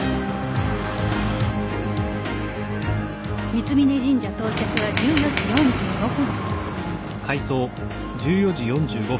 三峯神社到着は１４時４５分